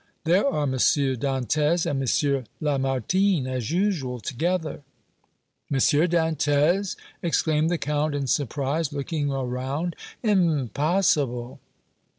there are M. Dantès and M. Lamartine, as usual, together." "M. Dantès!" exclaimed the Count, in surprise, looking around. "Impossible!"